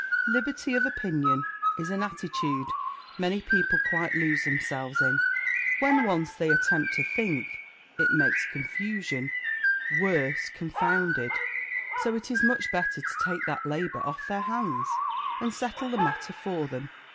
Liberty of opinion is an attitude many people quite lose themselves in. When once they attempt to think, it makes confusion worse confounded; so it is much better to take that labour off their hands, and settle the matter for them.